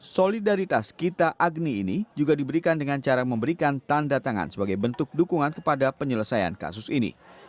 solidaritas kita agni ini juga diberikan dengan cara memberikan tanda tangan sebagai bentuk dukungan kepada penyelesaian kasus ini